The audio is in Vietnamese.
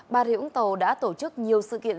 bà rịu úng tàu đã tổ chức nhiều sự kiện